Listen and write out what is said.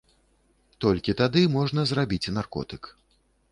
Толькі тады можна зрабіць наркотык.